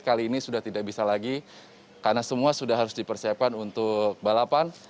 kali ini sudah tidak bisa lagi karena semua sudah harus dipersiapkan untuk balapan